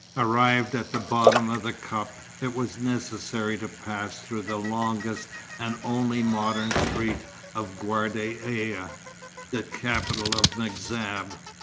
Arrived at the bottom of the cup, it was necessary to pass through the longest and only modern street of Ghardaia, the capital of the M'Zab.